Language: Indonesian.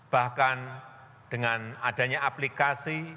bahkan dengan adanya aplikasi